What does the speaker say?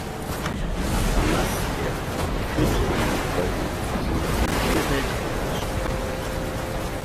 Afanassjew führte in den folgenden fünf Monaten vier Weltraumausstiege durch.